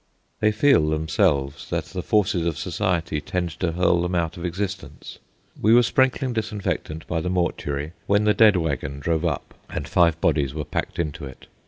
They feel, themselves, that the forces of society tend to hurl them out of existence. We were sprinkling disinfectant by the mortuary, when the dead waggon drove up and five bodies were packed into it.